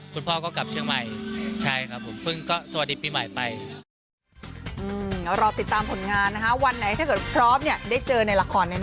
คุณพ่อก็กลับเชียงใหม่พึ่งก็สวัสดีปีใหม่ไป